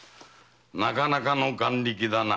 なかなかの眼力だな。